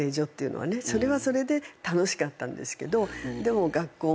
それはそれで楽しかったんですけどでも学校も。